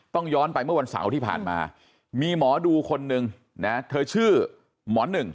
ย้อนไปเมื่อวันเสาร์ที่ผ่านมามีหมอดูคนหนึ่งนะเธอชื่อหมอหนึ่ง